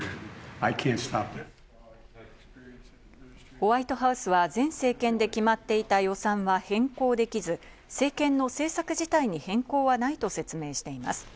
ホワイトハウスは前政権で決まっていた予算は変更できず、政権の政策自体に変更はないと説明しています。